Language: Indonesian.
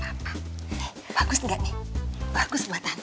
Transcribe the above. hai bagus nggak nih bagus buat aku